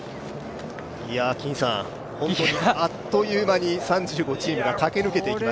本当にあっという間に３５チームが駆け抜けていきました。